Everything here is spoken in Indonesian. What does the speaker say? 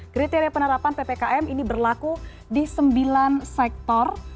kriteria penerapan ppkm ini berlaku di sembilan sektor